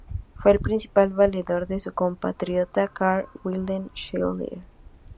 Fue el principal valedor de su compatriota Carl Wilhelm Scheele.